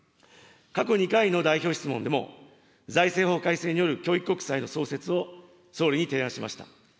過去２回の代表質問でも、財政法改正による教育国債の創設を総理に提案しました。